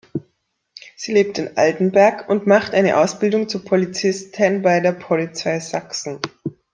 Sie lebt in Altenberg und macht eine Ausbildung zur Polizisten bei der Polizei Sachsen.